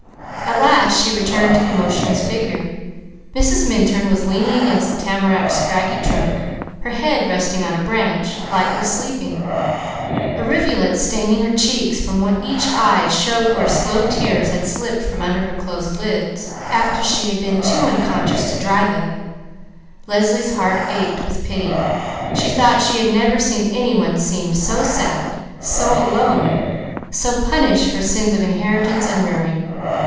At last she returned to the motionless figure. Mrs. Minturn was leaning against the tamarack's scraggy trunk, her head resting on a branch, lightly sleeping. A rivulet staining her cheeks from each eye showed where slow tears had slipped from under her closed lids. Leslie's heart ached with pity. She thought she never had seen any one seem so sad, so alone, so punished for sins of inheritance and rearing.